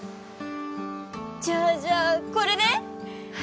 じゃあじゃあこれで？